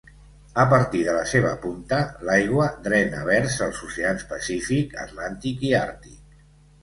A partir de la seva punta l'aigua drena vers els oceans Pacífic, Atlàntic i Àrtic.